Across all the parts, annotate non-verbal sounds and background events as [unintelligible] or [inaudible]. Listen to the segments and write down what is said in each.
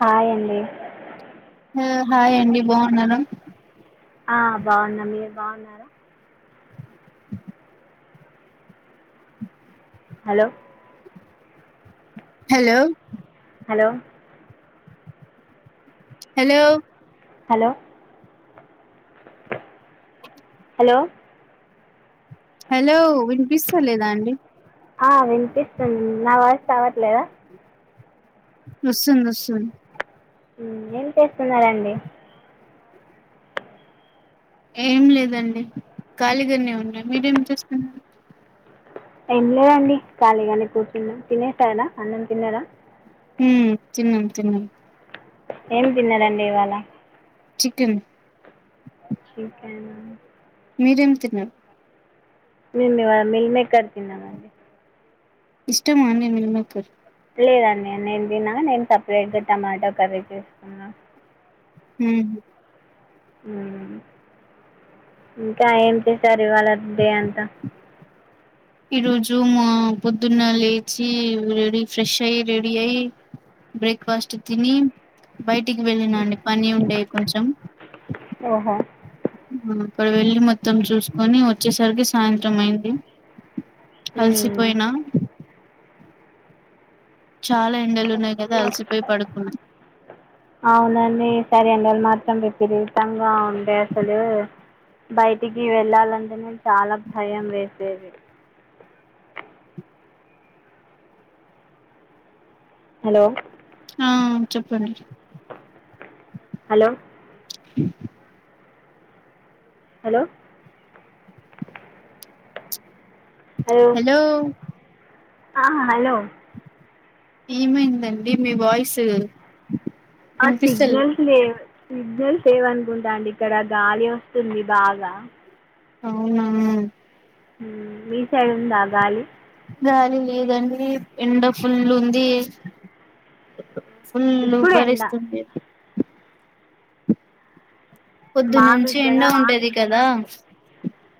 Hi అండి హూ hi అండి బాన్నార ఆ బాన్నాం మీరు బాన్నారా hello hello hello hello hello hello hello వినిపిస్తాలేదా అండి ఆ వినిపిస్తుంది నా వాయిస్ కావట్లేదా వస్తుందొస్తుంది హూ ఏం చేస్తున్నరాండి ఏం లేదండి కాళీగానే ఉన్నా మీరేం చేస్తున్ ఏం లేదండి ఖాళీగానే కూర్చున్నాం తినేసారా అన్నం తిన్నార ఉమ్ తిన్నం తిన్నం ఏం తిన్నారండి ఇవాళ చికిన్ చికెన్ మీరేం తిన్నారు మేమివాల్ మిల్ మేకర్ తిన్నామండి ఇష్టం ఆ అండి మిల్మేకర్ లేదండి నేన్ తినను నేన్ సపరేట్గా టమాటో కర్రీ చేస్కున్నాను ఊహ్ హూ ఇంకా ఏం చేశారు ఇవాళ డే అంతా ఈ రోజు మా పొద్దున్న లేచి రెడీ ఫ్రెష్ అయి రెడీ అయ్ బ్రేక్ఫాస్ట్ తిని బయటికి వెళ్ళిన అండి పని ఉండేయి కొంచెం ఓహో హు అక్కడ వెళ్ళి మొత్తం చూస్కొని వచ్చేసరికి సాయంత్రం అయింది ఉమ్. ఆలిసిపోయినా చాలా ఎండలున్నాయి కదా అలసిపోయి పడుకునా అవునండి ఈసారి ఎండలు మాత్రం విపరీతంగా ఉండే అసలు బయటికి వెళ్ళాలంటే నే చాలా భయం వేసేది హలో ఆ చెప్పండి హలో ఇ హలో హలో ఆ హలో ఏమైందండి మీ వాయిసు అ సిగ్నల్ లెవ్ సిగ్నల్స్ లెవనుకుంటా అండి ఇక్కడ గాలి వస్తుంది బాగా అవునా మీ సైడ్ ఉందా గాలి గాలి లేదండి ఎండ ఫుల్లు ఉంది ఫుల్ ఇప్పుడు ఎండ ఉబ్బరిస్తుంది మాకు పొద్దునుంచి ఇక్కడ ఎండ ఉంటది కదా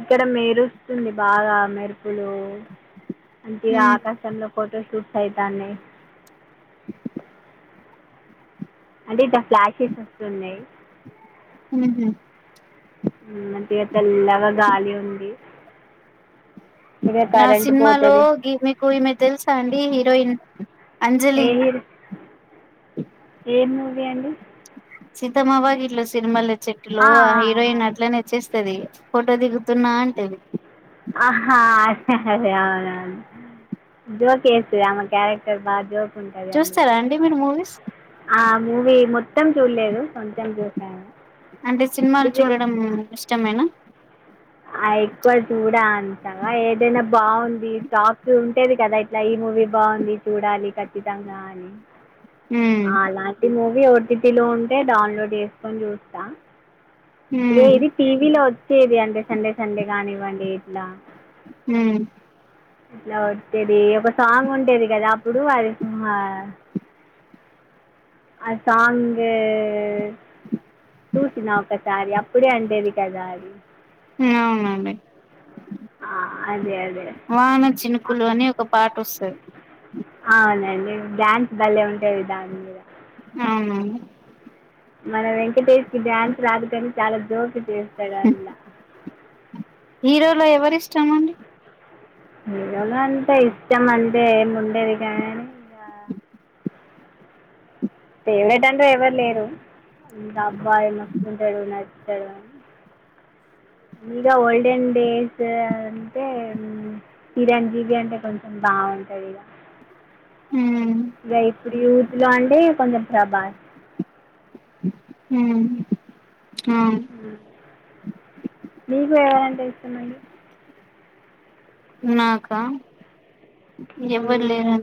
ఇక్కడ మేరుస్తుంది బాగా మెరుపులు అంటే ఉహు ఆకాశంలో ఫోటోషూట్స్ అయితాన్నయ్ అంటే ఇట్ల ఫ్లాషెస్ వస్తున్నాయి ఉహు మంచిగా చల్లగా గాలి ఉంది ఇక ఆ కరెంట్ సినిమాలో పోతుంది మీకు ఈమె తెలుసా అండి హీరోయిన్ అంజలి ఏ హీరో ఏ మూవీ అండి సీతమ్మ వాకిట్లో సిరిమల్లె చెట్టులో ఆ హీరోయిన్ అట్లనే వచ్చేస్తది ఫోటో దిగుతున్నా అంటది ఆహా అదే అదే అవునవును జోక్ ఎస్తీవ ఆమె క్యారెక్టర్ బాగా జోక్ ఉంటది అందులో చూస్తారా అండి మీరు మూవీస్ ఆ మూవీ మొత్తం చూడలేదు కొంచం చూసాను అంటే సినిమాలు ఇది చూడడం ఇష్టమేనా ఆ ఎక్కువ చూడ అంతగ ఏదైనా బాగుంది టాక్ ఉంటది కదా లా ఈ మూవీ బాగుంది చూడాలి ఖచ్చితంగా అని హ్మ్ అలాంటి మూవీ ఓటీటి లో ఉంటే డౌన్లోడ్ చేసుకొని చూస్తా హ్మ్ లేది టీవీలో వచ్చేది అంటే సండే సండే కానివ్వండి ఇట్లా ఊ ఇట్ల వచ్చేది ఒక సాంగ్ ఉంటది కదా అప్పుడు అది ఆ సాంగ్ చూసినా ఒకసారి అప్పుడే అండేది కదా అది అవునండి ఆ అదే అదే వాన చినుకులు అని ఒక పాట వస్తది అవునండి డ్యాన్స్ బలే ఉంటది దాని మీద అవును మన వెంకటేష్కి డ్యాన్స్ రాదు కానీ చాలా జోష్ గా చేస్తాడు అందులా హీరోలో ఎవరి ఇష్టమండి హీరోలో అంత ఇష్టం అంటే ఏమి ఉండేది కాని ఫేవరేట్ అంటే ఎవరు లేరు ఇంకా అబ్బాయి నచ్చుకుంటాడు నచ్చుడు అని ఇంగ ఓల్డెన్ డేస్ అంటే చిరంజీవి అంటే కొంచెం బాగుంటదిగ ఊ ఇగ ఇప్పుడు యూత్ లో అంటే కొంచెం ప్రభాస్ ఉ ఆ మీకు ఎవరంటె ఇష్టమండి నాకా ఎవ్వరు మ్, లేరు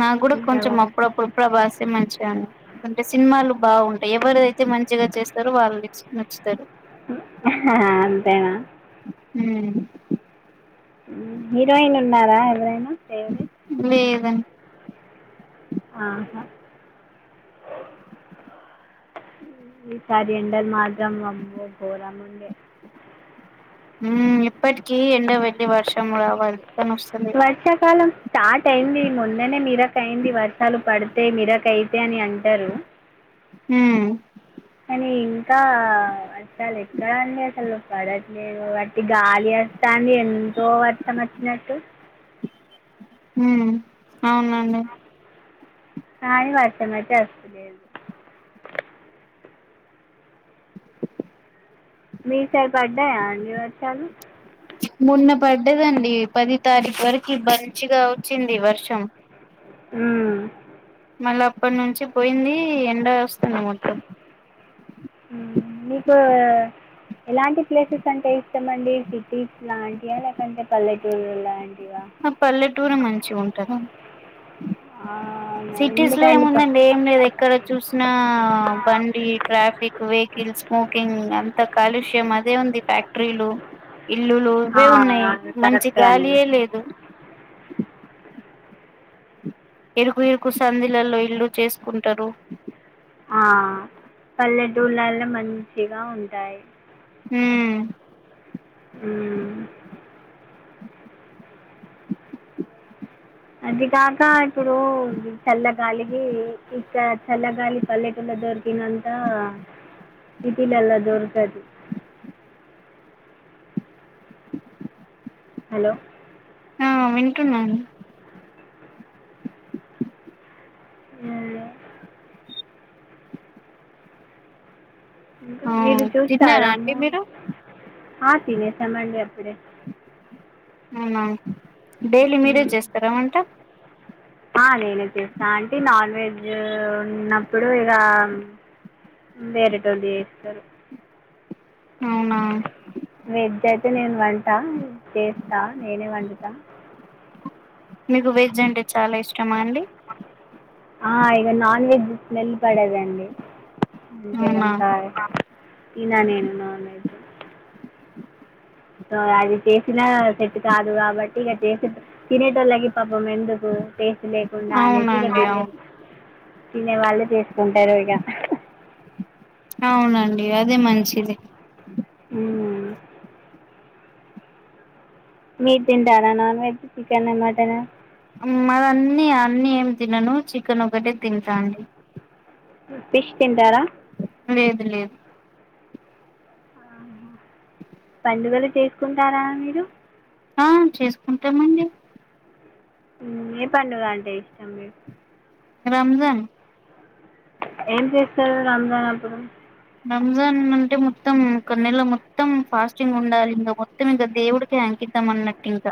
నా కూడా కొంచెం ప్రభాస్ అప్పుడపుడు ప్రభాసే మంచిగని అంటే సినిమాలు బాగుంటాయి ఎవరు అయితే మంచిగా చేస్తారో వాళ్ళు నచ్చుతారు అంతేనా హ్మ్ హీరోయిన్ ఉన్నారా ఎవరైనా ఫేవరెట్ లేదండి ఆహా ఈ సారి ఎండలు మాత్రం అమ్మో గోరంగుండే ఇప్పటికీ ఎండ వెళ్లి వర్షం రావాలి కాని వస్తలే వర్షాకాలం స్టార్ట్ అయింది మొన్ననే మిరక్ అయింది వర్షాలు పడతయ్ మిరక్ అయితే అని అంటారు హ్మ్ కానీ ఇంకా అస్సలు ఎక్కడండి అస్సలు పడట్లేదు ఒట్టి గాలి వత్తాంది ఎంతో వర్షం నట్టు హ్మ్ అవునండి కానీ వర్షం అయితే అస్తలేదు మీ సైడు పడ్డాయా అండి వర్షాలు మొన్న పడ్డదండి పది తారీఖు వరకి మంచిగా వచ్చింది వర్షం హ్మ్ మళ్ళ అప్పటి నుంచి పోయింది ఎండ వస్తుంది మొత్తం హ్మ్ ఇటు ఎలాంటి ప్లేసెస్ అంటే ఇష్టమండి సిటీస్ లాంటియా లేకంటే పల్లెటూరు లా లాంటియా నాక్ పల్లెటూరే మంచిగా ఉంటదండి ఆ, సిటీస్ లో ఎందుకండి ప- ఏముందండి ఏం లేదు ఎక్కడ చూసిన బండి ట్రాఫిక్ వెహికిల్స్ స్మోకింగ్ అంత కాలుష్యం అదే ఉంది ఫ్యాక్టరీలు ఇల్లులు ఆ, ఇవే ఉన్నాయ్ మంచి కరెక్టే అండి గాలియే లేదు ఇరుకు ఇరుకు సంధులలో ఇల్లు చేసుకుంటారు ఆ పల్లెటూళ్లనే మంచిగా ఉంటాయి హ్మ్ హ్మ్ అదికాక ఇప్పుడు చల్లగాలికి ఇక్కడ చల్లగాలి పల్లెటూర్లో దొరికినంతా సిటీలలో దొరకదు హలో ఆ వింటున్నా అండి హాలో ఆ తిన్నారా అండి మీరు ఆ తినేసానండి అప్పుడే అవునా డైలీ మీరే ఉమ్. చేస్తారా వంట ఆ నేనే చేస్తా అంటే నాన్ వెజ్ ఉన్నప్పుడు ఇగ వేరేటోళు చేస్తారు అవునా వెజ్ అయితే నేను వంటా చేస్తా నేనే వండతా మీకు వెజ్ అంటే చాలా ఇష్టమా అండి ఆ ఇగ నాన్ వెజ్ స్మెల్ పడదండి అంటే అవునా అంత తినా నేను నాన్ వెజ్ స అది చేసిన సెట్ కాదు కాబట్టి ఇక చేస. తినేటల్కి పాపం ఎందుకు కేసకు లేకుండా అనేసి ఇక అవునండి తినేస్. అవును తినే వాళ్ళు చేసుకుంటారు ఇక. అవునండి అదే మంచిది. ఉ. మీరు తింటారా నాన్ వెజ్ చికన మటన. మరి అన్ని అన్ని ఏం తినను చికెన్ ఒకటే తింటా అండి. ఫిష్ తింటారా. లేదు లేదు పండుగలు చేసుకుంటారా మీరు. ఆ చేసుకుంటామండి. ఏ పండుగ అంటే ఇష్టం మీరు. రంజాన్. ఏం చేస్తారు రంజాన్ అప్పుడు. రంజాన్ అంటే మొత్తం ఒక నెలో మొత్తం ఫాస్టింగ్ ఉండాలి ఇంకా మొత్తం ఇంకా దేవుడికి అంకి. న్నట్టు ఇంకా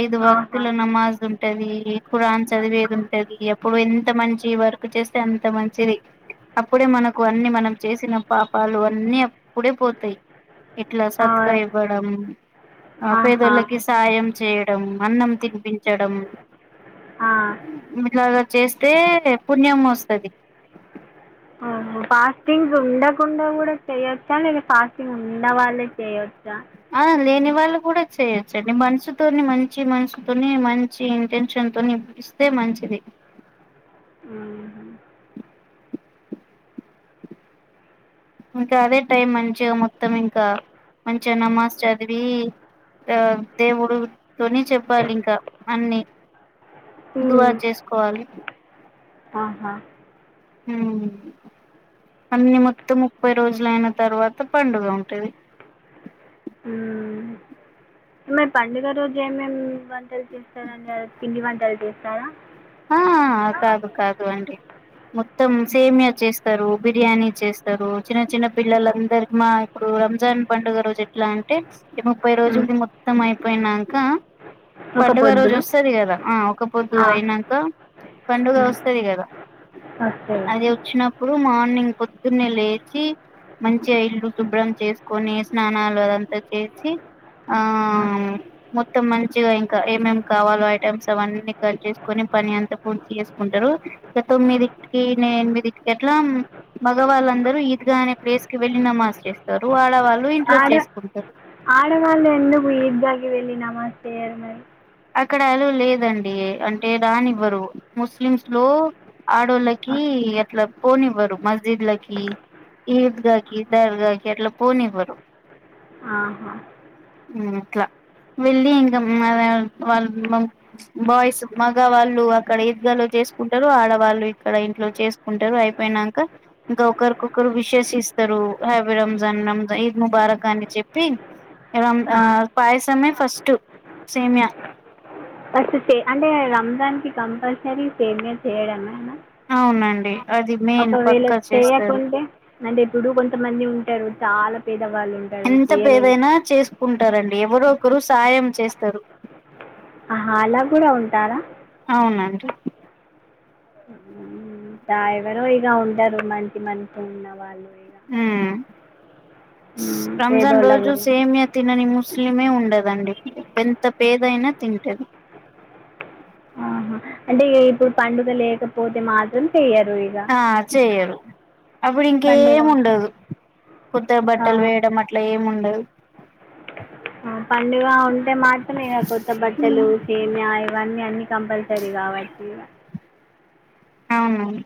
ఐదు వక్తుల నమాజున్. ఉంటది కురాన్ చదివేది ఉంటది అప్పుడు ఎంత మంచి వర్. చేస్తే అంత మంచిది అప్పుడే మనకు అన్ని మనం. చేసిన పాపాలు అన్నీ అప్పుడే పోతాయి. ఇట్లా సత్క ఆహా ఇవ్వడం ఆ పేదలకి ఆహా సాహయం చేయ. అన్నం తినిపించడం. ఇట్లాగా చేస్తే పుణ్యం వస్తది. అవును. ఫాస్టింగ్స్ ఉండకుండా కూడా చేయొచ్చా లేదా ఫాస్టింగ్ ఉండ వాళ్ళే చేయొచ్చా. ఆ లేని వాళ్ళు కూడా చేయొచ్చది అది మనసుతోని మంచి మనసుతోని మంచి ఇంటెన్షన్ తోని. ఇస్తే మంచిది. ఊహు. ఇంకా అదే టైం మంచిగా మొత్తం ఇంకా మంచిగా నమాస్ చదివి. అ దేవుడు. తుని చెప్పాలి ఇంకా అన్ని దువ హ్మ్. చేసుకోవాలి. ఆహా. అన్ని మొత్తం ముప్పై రోజులు అయిన తర్వాత పండుగ ఉంటది. ఊ. మరి పండుగ రోజు ఏమేమి వంటలు చేస్తారా అండి పిండి వంటలు చేస్తారా. ఆ కాదు కాదు అండి. మొత్తం సేమియా చేస్తరు బిర్యానీ చేస్తరు చిన్న చిన్న పిల్లలందరి మా. ఇప్పుడు రంజాన్ పండుగ రోజు ఎట్లా అంటే ఈ ముప్పై హ్మ్. రోజులకి మొత్తం అయిపోయినాక. ఒక పండుగ రోజు పొద్దులు. వస్తది కదా ఆ ఒక పొద్దు ఆ! అయినక్. పండుగ హ్మ్. వస్తది కదా ఓకే. అది. వచ్చినప్పుడు మార్నింగ్ పొద్దున్నే లేచి. మంచిగా ఇల్లు శుభ్రం చేసుకొని స్నానాలు అదంతా చేసి ఆ మొత్తం మంచిగా ఇంకా ఏమేమి కావాలో ఐటమ్స్ అవన్నీ కట్చేస్. కొని పని అంత పూర్తి చేసుకుంటారు ఇక తొమ్మిదిట్కి నే ఎనిమిదింటికి అట్లా. మగవాళ్ళందరూ ఈద్గా అనే ప్లేస్ కి వెళ్లి నమాజ్ చేస్తారు ఆడవాళ్ళు ఇంట్లో చేసుకుంటారు. ఆడ మాళ్ళ ఎందుకు ఈద్గ కి వెళ్లి నమాజ్ చేయరు మరి. అక్కడ అల్లో లేదండి అంటే రాని ఇవ్వరు ముస్లిమ్స్ లో ఆ! ఆడోలకి అట్ల పోనివరు మస్జిద్లకి [unintelligible] గకి దర్గా అట్ల పోనివారు ఆ వెళ్ళి ఇంకా మల్ల వాళ్ళు బాయ్స్ మగ వాళ్ళు అక్కడ ఈద్గాలో చేసుకుంటారు ఆడవాళ్ళు ఇక్కడ ఇంట్లో చేసు కుంటారు అయిపోయినాకా ఇంక ఒకరికొకరు విశేష ఇస్తారు హ్యాపీ రంజాన్ ఇది ముబారక్ అని చెప్పి ఆ! [unintelligible] పాయసమే ఫస్ట్ సేమ్య అస్ అంటే రంజాన్కి కంపల్సరీ సేమ్యా చేయడం [unintelligible] అవునండి అది మెయిన్ పక్క చేస్తారు చేయకుంటే అంటే ఎప్పుడు కొంతమంది ఉంటారు చాల పేదవాళ్ళు ఉ ఎంత పేదైనా చేసుకుంటారండి ఎవరో ఒకరు సయం చేస్తరు అలా కూడ ఉంటార అవునండి మ్మ్. ఎవరో ఇగ ఉంటారు మంచి మంచిగ ఉన్న వాళ్ళు మ్మ్. రంజాన్ పేదోళ్ళ రోజు గురించి సేమ్య తినని ముస్లిమే ఉండదండి ఎంత పేదయినా తింటది ఆహా. అంటే [unintelligible] ఇప్పుడు పండుగ లేకపోతే మాత్రం చెయ్యరు ఇగ ఆ చెయరు అప్పుడు పండుగ ఇంకేం ఉండదు కొత్త ఆ, బట్టలు వేయడం అట్ల ఎం ఉండదు ఆ పండుగ ఉంటే మాత్రమేన కొత్త బట్టలు సేమ్యా ఇవన్నీ అన్ని కంపల్సరీ కాబట్టి అవునవును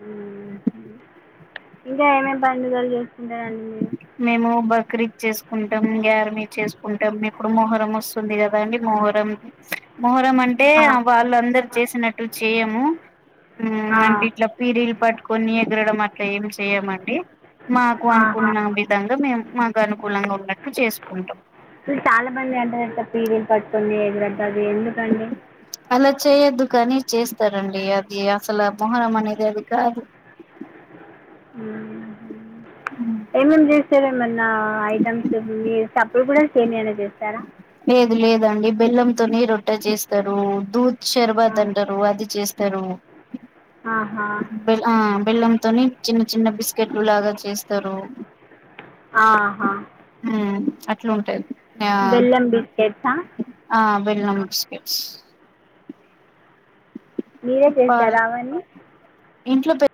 ఉ ఇంగ ఏమేమి పండుగలు చేస్తుంటారండి మీరు మేము బక్రీద్ చేసుకుంటాం [unintelligible] చేసుకుంటాం ఇప్పుడు మొహరం వస్తుంది కదా అండి మొహరం మొహరం అం అంటే ఆ. వాళ్ళందరు చేసినట్టు చేయము ఆ! అంటే ఇట్ల [unintelligible] పట్టుకొని ఎగరడం అట్ల ఏం చెయమండి మాకు అ ఆహా ఆ విధంగ మేము మాకు అనుకూలంగ ఉన్నట్టు చేసుకుంటాం [unintelligible] మంది అంటారు పీరియడ్స్ పడుతుంది ఎదురతుంది ఎందుకండి అల చేయొద్దు కానీ చేస్తారండి అది అసలు మొహరం అనేది అది కాదు హుహు. ఏమేమి చేస్తార మొన్న ఐటమ్స్ అప్పుడు కూడ సేమ్యా అనీ చేస్తార లేదు లేదండి బెల్ల తోని రొట్టె చేస్తారు దూత్ ఆ! శషర్బాత్ అంటారు అది చేస్తారు ఆహా బెల్ ఆ బెల్లంతోని చిన్న చిన్న బిస్కెట్లు లాగ చేస్తారు ఆహా హ అట్ల ఉంటది బెల్లం బిస్కెట్స హ ఆ బెల్లం బిస్కెట్స్ మీరే చేసార [unintelligible] ఇంట్లో పే